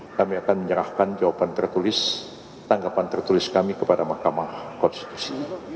kami akan menyerahkan jawaban tertulis tanggapan tertulis kami kepada mahkamah konstitusi